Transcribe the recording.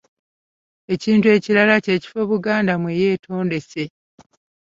Ekintu ekirala ky’ekifo Buganda mwe yeetondese.